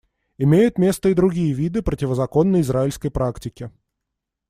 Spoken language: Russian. Имеют место и другие виды противозаконной израильской практики.